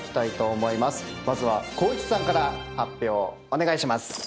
まずは光一さんから発表お願いします。